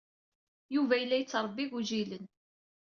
Yuba yella yettṛebbi igujilen.